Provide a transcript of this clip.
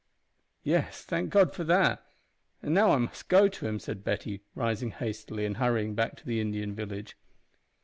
"Yes, thank God for that; and now I must go to him," said Betty, rising hastily and hurrying back to the Indian village.